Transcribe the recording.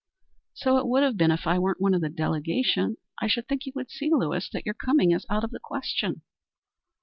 "So it would have been if I weren't one of the delegation. I should think you would see, Lewis, that your coming is out of the question."